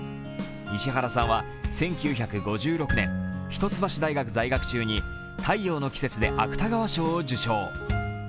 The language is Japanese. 石原さんは１９５６年、一橋大学在学中に「太陽の季節」で芥川賞を受賞。